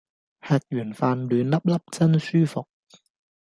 吃完飯暖粒粒真舒服